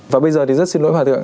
và bây giờ thì rất xin lỗi hòa thượng